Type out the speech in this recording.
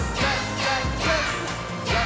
ジャンプ！！」